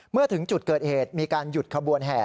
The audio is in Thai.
เมื่อถึงจุดเกิดเหตุมีการหยุดขบวนแห่